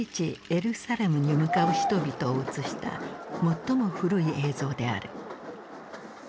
エルサレムに向かう人々を写した最も古い映像である。